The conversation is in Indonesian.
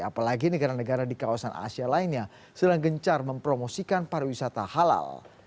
apalagi negara negara di kawasan asia lainnya sedang gencar mempromosikan pariwisata halal